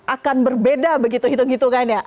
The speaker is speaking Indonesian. akan berbeda begitu hitung hitungannya